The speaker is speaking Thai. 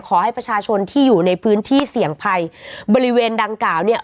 ขอให้ประชาชนที่อยู่ในพื้นที่เสี่ยงภัยบริเวณดังกล่าวเนี่ย